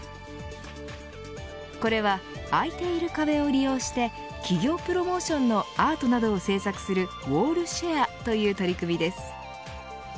これは空いている壁を利用して企業プロモーションのアートなどを制作するウォールシェアという取り組みです。